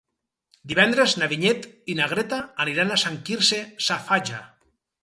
Divendres na Vinyet i na Greta aniran a Sant Quirze Safaja.